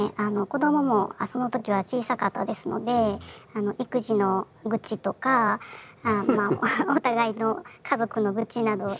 子どももその時は小さかったですので育児の愚痴とかお互いの家族の愚痴などを。